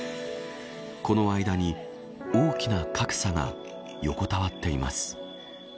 この間に大きな格差が横たわっています。